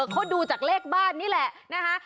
เขาดูจากเลขบ้านนี่แหละนะคะ